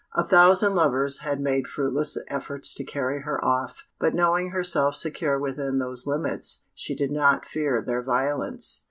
A thousand lovers had made fruitless efforts to carry her off; but knowing herself secure within those limits, she did not fear their violence.